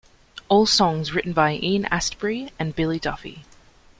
All songs written by Ian Astbury and Billy Duffy.